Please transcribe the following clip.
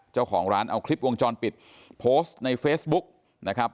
เจ้าของร้านเอาคลิปวงจรปิดโพสต์ในเฟซบุ๊กนะครับ